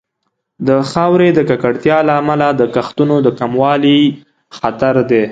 د خاورې د ککړتیا له امله د کښتونو د کموالي خطر دی.